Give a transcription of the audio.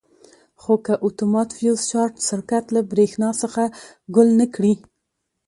خو که اتومات فیوز شارټ سرکټ له برېښنا څخه ګل نه کړي.